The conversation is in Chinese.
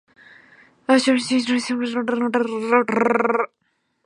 似椭圆碘泡虫为碘泡科碘泡虫属的动物。